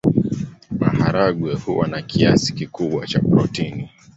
Maharagwe huwa na kiasi kikubwa cha protini.